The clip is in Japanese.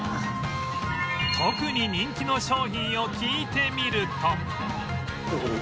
特に人気の商品を聞いてみると